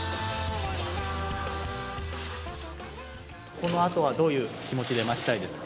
・このあとはどういう気持ちで待ちたいですか？